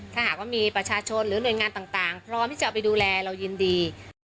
ถ้าหากว่ามีประชาชนหรือหน่วยงานต่างพร้อมที่จะเอาไปดูแลเรายินดี